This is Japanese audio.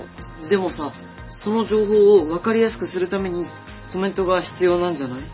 でもさその情報を分かりやすくするためにコメントが必要なんじゃない？